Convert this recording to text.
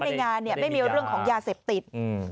ในงานไม่มีเรื่องความยาเสพติด